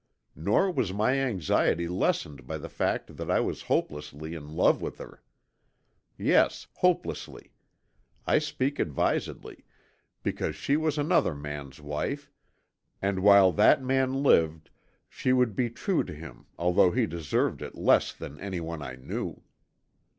Nor was my anxiety lessened by the fact that I was hopelessly in love with her. Yes, hopelessly, I speak advisedly, because she was another man's wife, and while that man lived she would be true to him although he deserved it less than anyone I knew.